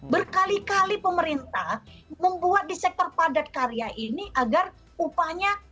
berkali kali pemerintah membuat di sektor padat karya ini agar upahnya